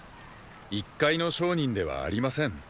一介の商人ではありません。